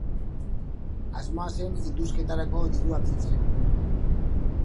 Asmoa zen indusketarako dirua biltzea.